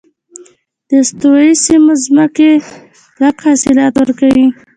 دویم، د استوایي سیمو ځمکې لږ حاصل ورکوي.